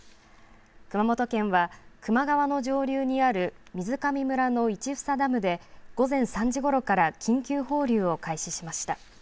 熊本県は球磨川の上流にある水上村の市房ダムで午前３時ごろから緊急放流を開始しました。